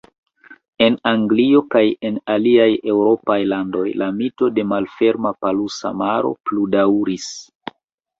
En Anglio kaj en aliaj eŭropaj landoj, la mito de "Malferma Polusa Maro" pludaŭris.